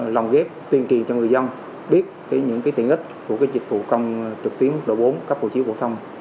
lòng ghép tuyên truyền cho người dân biết những tiện ích của dịch vụ công trực tuyến mức độ bốn cấp hộ chiếu phổ thông